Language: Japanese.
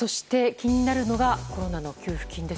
気になるのがコロナの給付金。